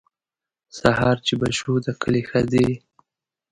سهار چې به شو د کلي ښځې.